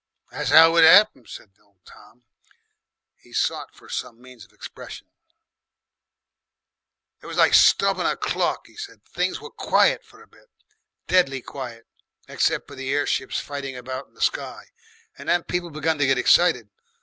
"That's 'ow it 'appened," said old Tom. He sought for some means of expression. "It was like stoppin' a clock," he said. "Things were quiet for a bit, deadly quiet, except for the air ships fighting about in the sky, and then people begun to get excited.